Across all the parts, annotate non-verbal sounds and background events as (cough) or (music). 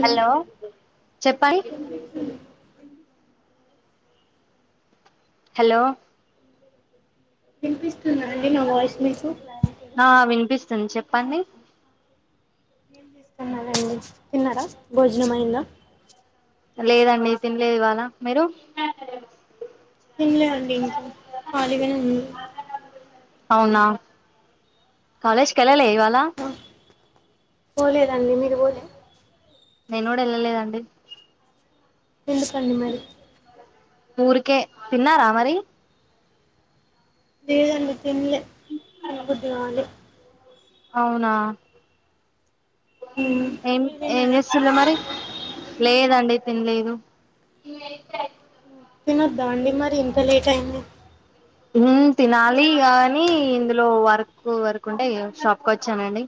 hello చెప్పండి hello వినిపిస్తుందాండి నా వాయిస్ మీకు క్లారిటీగా ఆ వినిపిస్తుంది చెప్పండి ఏం తీస్తున్నారండి తిన్నారా భోజనమైందా లేదండి తినలేదు ఇవ్వాళ మీరు తినలేదండి ఇంకా కలిగానే ఉన్న అవునా కాలేజ్కిళ్ళాలే ఇవ్వాళ ఆ పోలేదండి మీరు బోలే నేను గూడ ఏళ్ళలేదండి ఎందుకండి మరీ ఊరికే తిన్నరా మరీ లేదండి తిన్నలే తిన్న బుద్ది గాలే అవునా ఉమ్మ్ ఏం ఏం జేస్తున్రు మరీ లేదండి తినలేదు తినొద్దండి మరి ఇంత లేట్ అయింది ఉమ్మ్ తినాలి గానీ ఇందులో వర్క్ వర్క్ ఉంటే ఇగా షాప్ కొచ్చానండి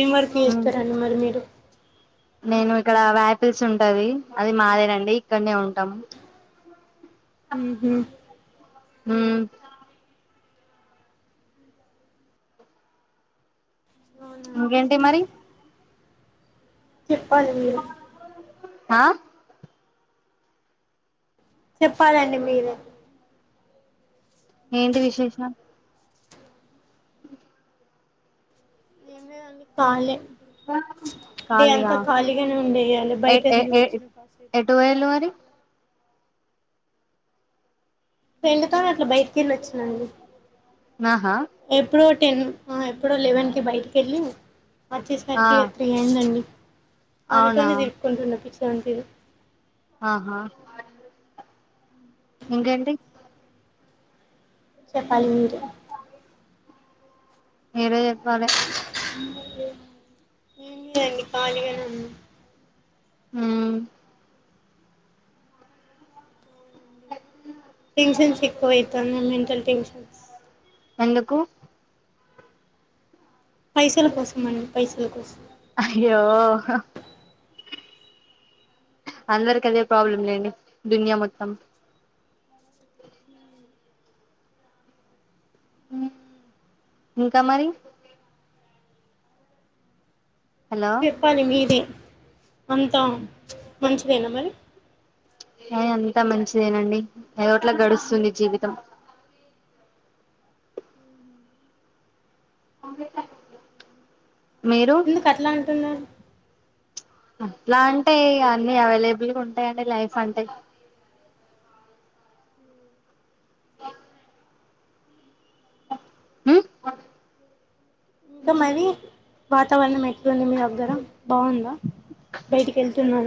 ఏం వర్క్ ఉమ్ జేస్తారండి మరీ మీరు నేను ఇక్కడ వ్యాపిల్స్ ఉంటది అది మాదేనండి ఇక్కడనే ఉంటాము ఉమ్మ్హు ఉమ్ హు అవునా అండి ఇంకేంటి మరీ చెప్పాలి మీరే ఆ చెప్పాలండి మీరే ఏంటి విశేషాలు తీన్ లేదండీ కాలే డే అంత ఖాళీయా ఖాళీగానే ఉండే ఇయ్యాల ఎ బయట ఎ తిరిగి ఎ గోచ్చిన కాసేపు ఎటు వోయిల్లు మరీ ఫ్రెండ్ తోని అట్లా బయటికేళ్ళి వచ్చినండి ఆహా ఎప్పుడో టెన్ ఎప్పుడో లెవెన్ కి బయటకేళ్ళి ఆ వచ్చేసరికి ఇగా త్రీ అయిందండి అవునా ఆమెతోనే తిప్పుకుంటున పిచ్చి దాని తీరు ఆహా ఇంకేంటి చెప్పాలి మీరే మీరే జేప్పాలే ఏం లేదండి ఖాళీగానే ఉన్న ఉమ్మ్ టెన్షన్స్ ఎక్కువ అవుతన్నయి మెంటల్ టెన్షన్స్ ఎందుకు పైసల కోసం మండి పైసల కోసం ఆహ్ అయ్యో హా అందరికి అదే ప్రాబ్లం లేండి దునియా మొత్తం ఉమ్మ్ ఇంకా మరీ హలో పాలి మీదే అంత మంచిదేనా మరి ఎ అంతా మంచిదేనండి ఏదో అట్లా గడుస్తుంది జీవితం మీరు దుకు అట్లా అంటున్నారు అట్లా అంటే ఇగ అన్ని అవైలబుల్గా ఉంటాయండి లైఫ్ అంటే ఉ క మరి వాతావరణం ఎట్లుంది మీ దగ్గర బావుందా బైటికేళ్తున్నార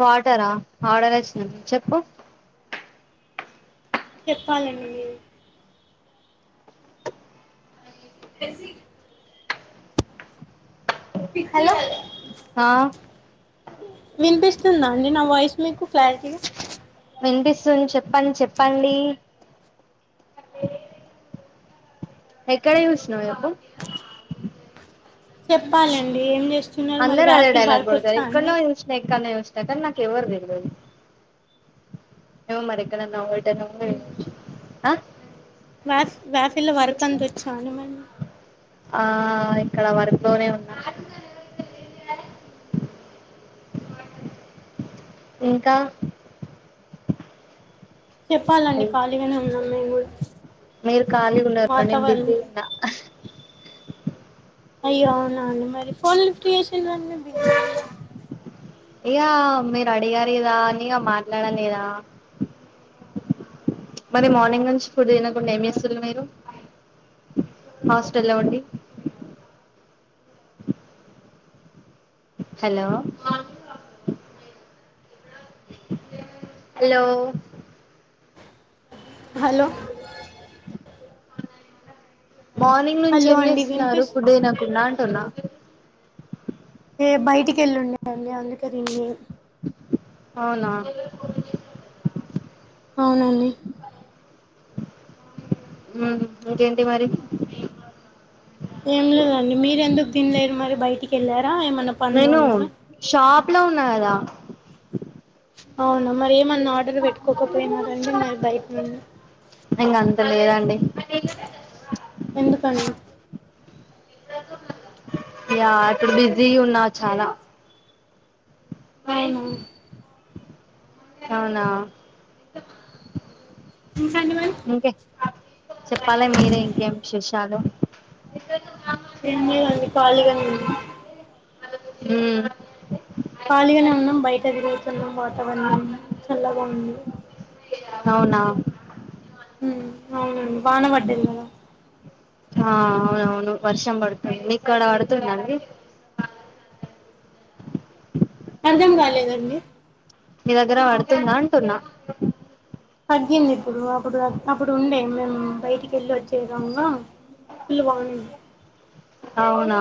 వాటరా ఆర్డర్ ఎషింది చెప్పు చెప్పాలండి మీరు తేస్సి హలో ఆ విన్పిస్తుందా అండి నా వాయిస్ మీకు క్లారిటీగా విన్పిస్తుంది చెప్పండి చెప్పండి ఇక్కడ చూష్నవ్ చెప్పు చెప్పాలండి ఏం జెస్తున్నారు మరి వ్యాఫిల్ వడ్కొచ్చా అండి స్నేక్ కన్నయ్య వచేదగ్గర నాకు ఎవ్వరు తెల్వదు ఏవో మరి ఎక్కనా అ మ్యాస్ వ్యాసిల్లో వర్క్ అన్ తెచ్చాను మీ ఆ ఇక్కడ వర్క్ లోనే ఉన్నా ఇంకా చెప్పాలండి హల్ ఖాళీగానే ఉన్నాం మేము మీరు ఖాళీగా ఉన్నారు నేను వాతావరణం (unintelligible) అయ్యో అవున అండి మరి ఫోన్ లిఫ్ట్ చేసిరండి మీ ఇగా మీరు అడిగారు గద అని మాట్లాడాలి గదా మరి మార్నింగ్ నుంచి ఫుడ్ తినకుండా ఇంజేస్తుతుళ్ళు మీరు హాస్టల్ ఉండి హలో అలో హలో మోర్నింగ్ నుంచి హలో ఏం అండి చేసున్నారు వినిపిస్ ఫుడ్ తినకుండా అంటున్నా ఎ బైటికెళ్ళుండే దాన్ని అందుకే రింగి అవునా అవునండి ఉ ఇంకేంటి మరి ఏం లేదండి మీరూ ఎందుకు తన్లేరు మరి బైటికేళ్ళారా ఏమన్నా పన్లో నేను ఉన్నారా షాప్ లో ఉన్న గదా అవునా మరి ఏమన్నా ఆర్డర్ పెట్టుకోకపోయినా రండి మరి బైట నుండి ఇంగా అంత లేదండి ఎందుకండి యా అప్పుడు బిజీ గున్నా చాలా అవున అవునా (inaudible) ఇంకే చెప్పాలి మీరే ఇంకేం విశేషాలు (unintelligible) ఏం లేదండి ఖాళీగానే ఉన్నాం మ్ ఖాళీగానే ఉన్నాం బయట తిరుగుతున్నాం వాతావరణం చల్లగా ఉంది అవునా మ్ అవును వాన పడ్డది కదా ఆ అవునవును వర్షం పడుతుంది మీక్కడ అడుతుందండి అర్దం గాలేదండి మీ దగ్గర పడుతుందా అంటున్నా తగ్గింది ఇప్పుడు అప్పుడు అప్పుడు ఉండే మేము బయటికి వెళ్ళి వచ్చేదముంగా పుల్వాణ (inaudible) అవునా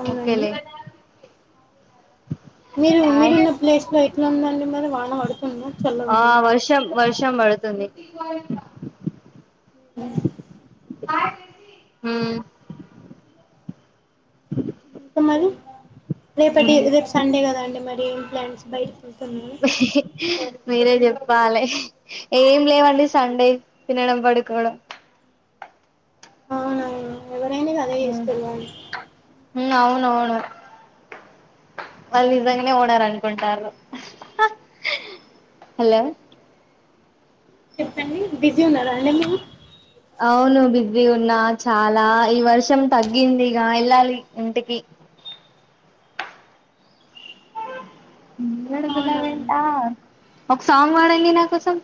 అవునండి ఓకేలే మీరు హాయ్ మీరున్న ప్లేస్ లో ఎట్లా ఉందండి మరి వాన పడుతుందా చల్లగా ఆ ఉందా వర్షం వర్షం పడుతుంది (unintelligible) (unintelligible) మ్ ఇక మరి రేపటి రేపు సండే కదా అండి మరి ప్లెండ్స్ బయటి వెళ్తున్నారా మీరే చెప్పాలి ఏం లేవండి సండే తినడం పడుకోవడం అవునా ఎవరైనా గదే చేస్తరుగా మ్ అవునవును వాళ్ళు నిజంగానే ఉడారనుకుంటారు హలో చెప్పండి బిజీ ఉన్నారా అండి మీమ్ అవును బిజీ ఉన్నా చాలా ఈ వర్షం తగ్గిందిగా వెళ్ళాలి ఇంటికి అడుగులా వెంటా అవునండి ఒక సాంగ్ బాడండి నా కోసం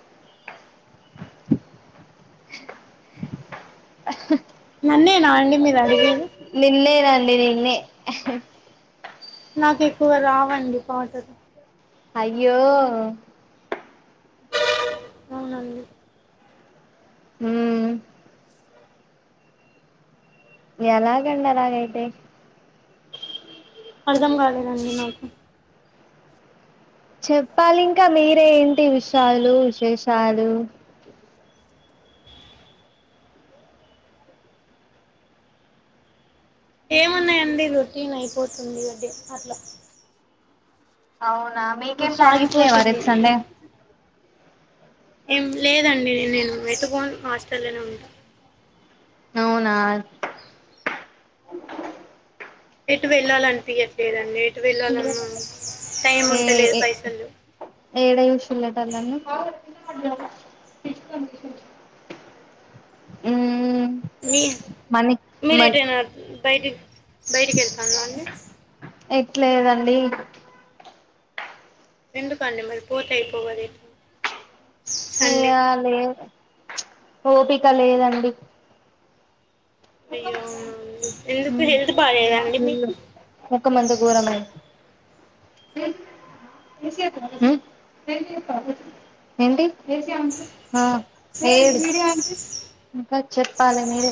నన్నేనా అండి మీరు అడిగేది నిన్నేనండి నిన్నే నాకు ఎక్కువ రావండి పాటలు అయ్యో అవునండి మ్ ఎలాగంండలాగైతే అర్థం కాలేదండి నాకు చెప్పాలి ఇంకా మీరే ఏంటి విషయాలు విశేషాలు ఏమున్నాయండి రొటీన్ అయిపోతుంది అదే అట్లా అవునా మీకేం ప్లానింగ్స్ లేవా సాగిపోతుంది రేపు సండే ఏం లేదండి నేను ఎటుపోన్ హాస్టల్లోనే ఉంటా అవునా ఎటు వెళ్ళాలనిపియట్లేదండి ఎటు వెళ్ళాలన్నా టైం ఏ ఉంటలేదు ఏ పైసల్ లేవు ఏడ యూషలటాల నన్ను ఉ మీ మీరు ఏటైనా బయటికి బయటికి వెళ్తాండి ఎట్లేదండి ఎందుకండి మరి పోతి అయిపోవదే సండే కాలే ఓపిక లేదండి అయ్యో అవునాండి ఎందుకు హెల్త్ బాగాలేదాండి మీకు ముఖమంత ఘోరమై మ్ ఏంటి ఆ ఏ ఇంకా చెప్పాలి మీరే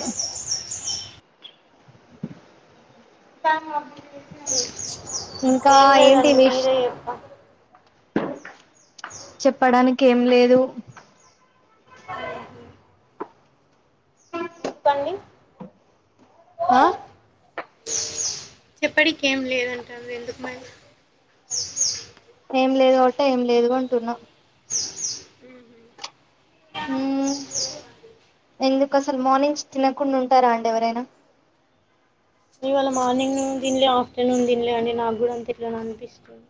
ఇంకా ఏంటి విష్ రేప చెప్పడానికి ఏం లేదు చెప్పండి ఆ చెప్పడికి ఏం లేదంటారు ఎందుకు మరి ఏం లేదుట్టే ఏం లేదుంటున్నా మ్ మంచి ఎందుకు అసలు మార్నింగ్స్ తినకుండా ఉంటారా అండి ఎవరైనా ఇవాళ మార్నింగ్ తిలే ఆఫ్టర్నూన్ తిలే అండి నాకు కూడా అంత ఎట్లానో అనిపిస్తుంది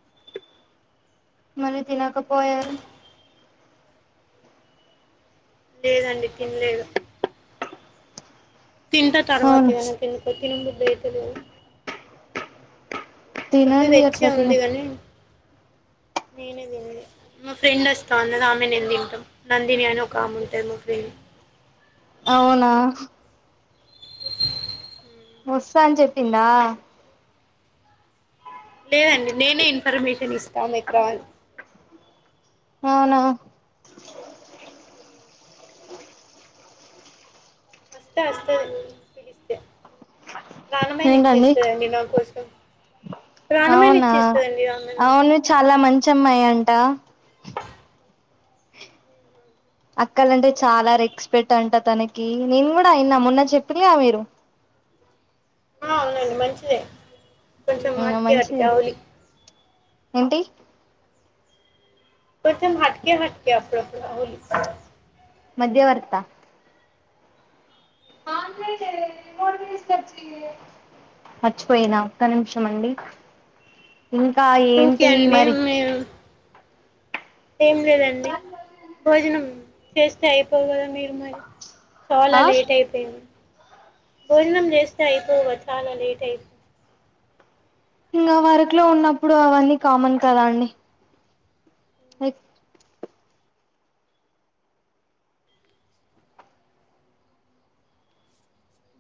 మరి తినకపోయారు లేదండి తినలేదు తింటా తర్వాత అవును ఎందుకో నాకు తినబుద్ది అవుతలే ఫుడ్ తినండి తెచ్చే అట్లా తిన ఉంది కానీ నేనే తిన్నలే మా ఫ్రెండ్ వస్తా అన్నది ఆమె నేను తింటాం నందిని అని ఒక ఆమె ఉంటుంది మా ఫ్రెండ్ అవునా వస్తా అని చెప్పిందా లేదండి నేనే ఇన్ఫర్మేషన్ ఇస్తాం ఆమెకు రా అని అవునా వస్తే వస్తది పిలిస్తే ప్రాణమైన ఏంటండి ఇచ్చేస్తదండి నాకోసం ప్రాణమైన అవునా ఇచ్చిస్తదండి నా కోసం అవును చాలా మంచి అమ్మాయి అంట అక్కలంటే చాలా రెక్స్పెక్ట్ అంట తనకి నేను కూడా విన్నా మొన్న చెప్పిరు గా మీరు ఆ అవునండి మంచిదే కొంచెం హట్కే హట్కే మంచిదే అవులి ఏంటి కొంచెం హాట్కే హాట్కేడుప్పుడు హోల్ మధ్యవర్తా మాట్లాడే రిమోట్ తీసుకొచ్చియే మర్చిపోయినా ఒక్క నిమిషండి ఇంకా ఏంటి మరి నేను ఏం లేదండి భోజనం చేస్తే అయిపోవుగా మీరు మరి చాలా ఆ లేట్ అయిపోయింది భోజనం చేస్తే అయిపోవుగా చాలా లేటయింది ఇంకా వర్కులో ఉన్నప్పుడు అవన్నీ కామన్ కదా అండి లైక్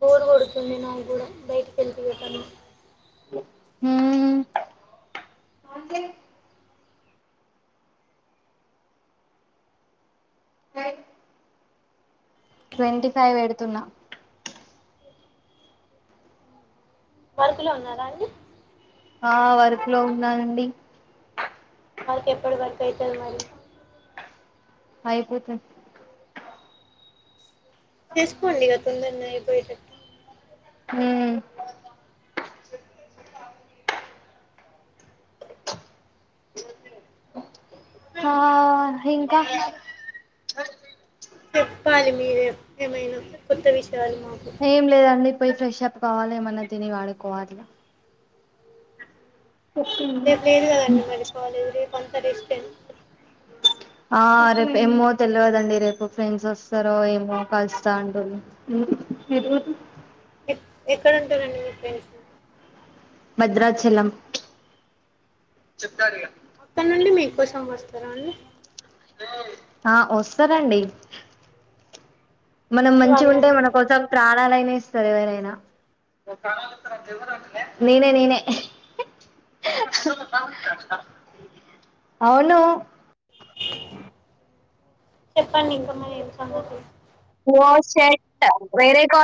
బోరు కొడుతుంది నాకు కూడ బయటికెల్త ఎటన్న మ్మ్ ట్వంటీ ఫైవ్ పెడుతున్నా వర్కు లో ఉన్నార ఆ వర్క్ లో ఉన్నానండి వర్క్ ఎప్పడి వరకు అయితది మరి అయిపో (unintelligible) చేసుకోండిగ తొందరనే అయిపోయే (unintelligible) హు ఆ ఇంక చెప్పాలి మీరే ఏమైన కొత్త విషయాలు మాకు ఏం లేదండి పోయి ఫ్రెష్ అప్ కావాలి ఏమన్నా తిని పడుకోవాలి ఇగ రేపు లేదు కదండి మరి కాలేజీ రేపు అంత రెస్టే ఆ రేపు ఏమో తెలియదండి రేపు ఫ్రెండ్స్ వస్తారో ఏమో కలుస్తా అంటూరు ఎటు పొతు (unintelligible) ఎక్కుండుంటారు భద్రాచలం అక్కడ నుండి మీకోసం వస్తార అండి ఆ (unintelligible) సరండి మనం మంచిగా మంచివాళ్ళే ఉంటే అండి మీ మనకోసం ఫ్రెండ్స్ ప్రాణాలైన ఇస్తారు ఎవరైన నేనే నేనే అవును చెప్పండి ఇంకా మరి ఏం సంగతి (unintelligible) వేరే (unintelligible)